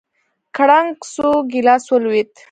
کړنگ سو گيلاس ولوېد.